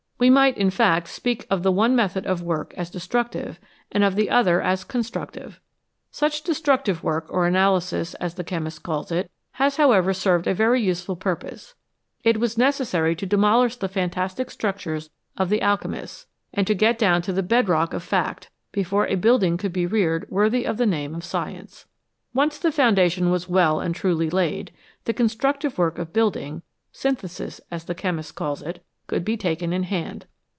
We might, in fact, speak of the one method of work as destructive and of the other as constructive. Such de structive work, or analysis, as the chemist calls it, has, however, served a very useful purpose ; it was necessary to demolish the fantastic structures of the alchemists, and to get down to the bed rock of fact, before a building could be reared worthy of the name of science. Once the foundation was well and truly laid, the constructive work of building synthesis, as the chemist calls it could be taken in hand.